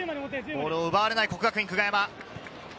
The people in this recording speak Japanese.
ボールを奪われない國學院久我山。